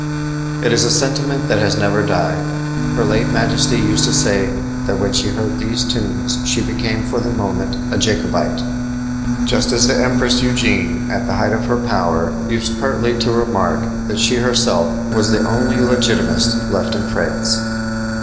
It is a sentiment that has never died. Her late majesty used to say that when she heard these tunes she became for the moment a Jacobite; just as the Empress Eugenie at the height of her power used pertly to remark that she herself was the only Legitimist left in France.